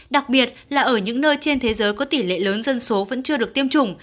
đặc biệt là ở những nơi trên thế giới có tỷ lệ lớn dân số vẫn chưa được tiêm chủng